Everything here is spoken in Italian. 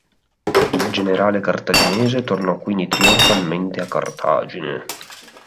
Il generale cartaginese tornò quindi trionfalmente a Cartagine.